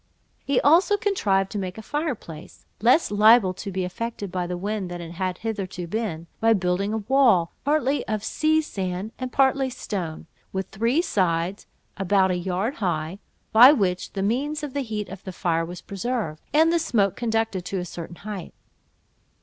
He also contrived to make a fire place, less liable to be affected by the wind than it had hitherto been, by building a wall, partly of sea sand and partly stone, with three sides about a yard high, by which means the heat of the fire was preserved, and the smoke conducted to a certain height.